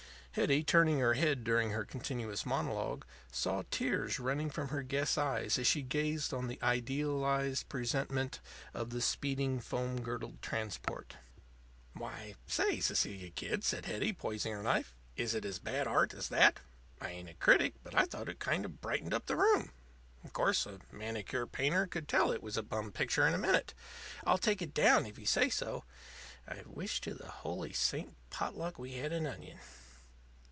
Hetty, turning her head during her continuous monologue, saw tears running from her guest's eyes as she gazed on the idealized presentment of the speeding, foam girdled transport. "Why, say, Cecilia, kid," said Hetty, poising her knife, "is it as bad art as that? I ain't a critic; but I thought it kind of brightened up the room. Of course, a manicure painter could tell it was a bum picture in a minute. I'll take it down if you say so. I wish to the holy Saint Potluck we had an onion."